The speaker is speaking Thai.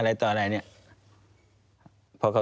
ควิทยาลัยเชียร์สวัสดีครับ